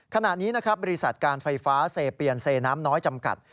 ขณะนี้นะครับบริษัทการไฟฟ้าเซเปียนเซน้ำน้อยจำกัด